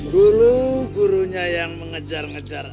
dulu gurunya yang mengejar ngejar